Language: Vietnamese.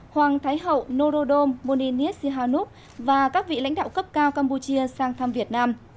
hoàng thái hậu nolodom monini sihamoni và các vị lãnh đạo cấp cao campuchia sang thăm việt nam